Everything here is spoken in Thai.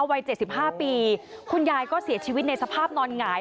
วัย๗๕ปีคุณยายก็เสียชีวิตในสภาพนอนหงาย